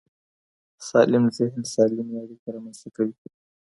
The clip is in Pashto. سالم ذهن سالمې اړیکې رامنځته کوي.